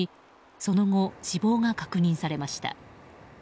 その後、死亡が確認されました。